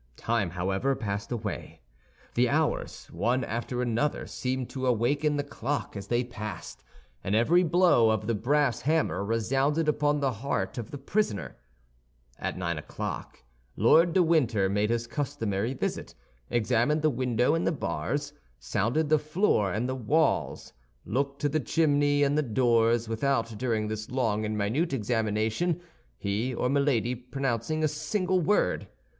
Time, however, passed away; the hours, one after another, seemed to awaken the clock as they passed, and every blow of the brass hammer resounded upon the heart of the prisoner. At nine o'clock, Lord de Winter made his customary visit, examined the window and the bars, sounded the floor and the walls, looked to the chimney and the doors, without, during this long and minute examination, he or Milady pronouncing a single word.